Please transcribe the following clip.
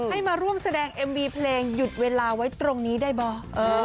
ให้มาร่วมแสดงเอ็มวีเพลงหยุดเวลาไว้ตรงนี้ได้บ่ะ